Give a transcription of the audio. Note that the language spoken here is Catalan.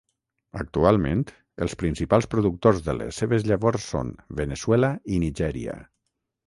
Actualment els principals productors de les seves llavors són Veneçuela i Nigèria.